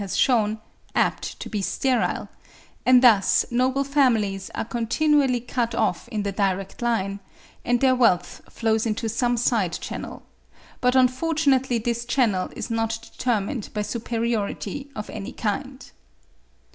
has shewn, apt to be sterile; and thus noble families are continually cut off in the direct line, and their wealth flows into some side channel; but unfortunately this channel is not determined by superiority of any kind.